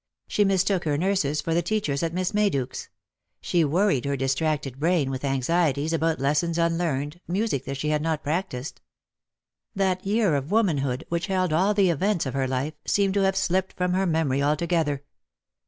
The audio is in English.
She mistook her nurses for the teachers at Miss Mayduke's — she worried her distracted brain with anxieties about lessons unlearned, music that she had not practised. That year of womanhood, which held all the events of her life, seemed to have slipped from her memory altogether.